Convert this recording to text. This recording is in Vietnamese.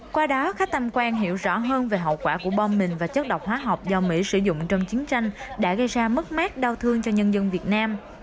qua đó khách tham quan hiểu rõ hơn về hậu quả của bom mìn và chất độc hóa học do mỹ sử dụng trong chiến tranh đã gây ra mất mát đau thương cho nhân dân việt nam